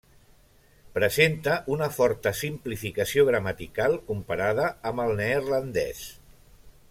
Presenta una forta simplificació gramatical comparada amb el neerlandès.